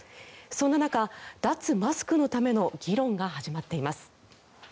そんな中、脱マスクのための議論が始まっています。